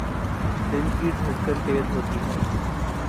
دل کی دھڑکن تیز ہوتی ہے